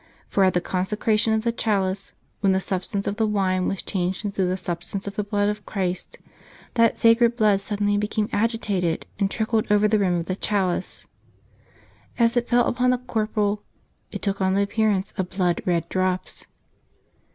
For at the consecration of the chalice, when the substance of the wine was changed into the substance of the Blood of Christ, that sacred Blood suddenly became agitated and trickled over the rim of the chalice. As it fell upon the corporal it took on the appearance of blood red drops.